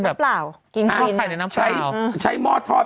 ใช่เพราะมันเป็นร่องรูมันยังต้องหุ้มฟอยก่อน